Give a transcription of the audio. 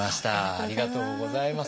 ありがとうございます。